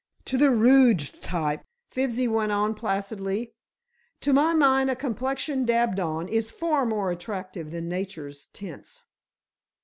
"To the rouged type," Fibsy went on, placidly. "To my mind a complexion dabbed on is far more attractive than nature's tints."